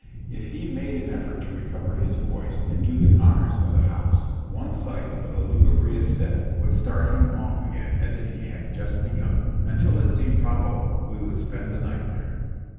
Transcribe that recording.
If he made an effort to recover his voice and do the honors of the house, one sight of the lugubrious set would start 446 JOHNNY re;b and biIvLy yank him off again as if he had just began, until it seemed probable we would spend the night there.